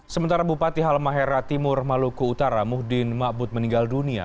sementara bupati halmahera timur maluku utara muhdin ma'bud meninggal dunia